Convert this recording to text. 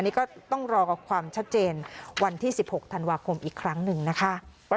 นี่ก็ต้องรอกับความชัดเจนวันที่๑๖ธันวาคมอีกครั้งหนึ่งนะคะ